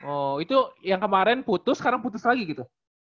oh itu yang kemarin putus sekarang putus lagi gitu